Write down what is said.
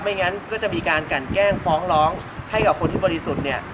งั้นก็จะมีการกันแกล้งฟ้องร้องให้กับคนที่บริสุทธิ์เนี่ย